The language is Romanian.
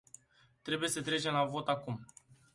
Trebuie să trecem la vot acum.